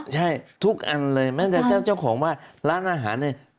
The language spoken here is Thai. ใช่ทุกอันเลยแม้แต่เจ้าของว่าร้านอาหารเนี่ย